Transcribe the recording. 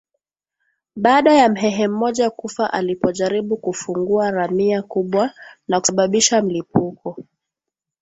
Baada ya Mhehe mmoja kufa alipojaribu kufungua ramia kubwa na kusababisha mlipuko